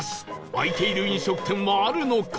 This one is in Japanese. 開いている飲食店はあるのか？